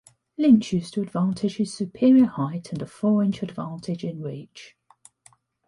Lynch used to advantage his superior height and a four-inch advantage in reach.